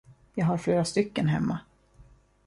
Jag har flera stycken hemma.